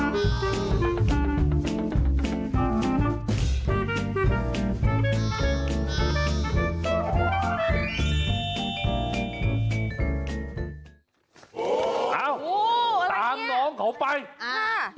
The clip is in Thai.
ที่นี่มันเสาครับ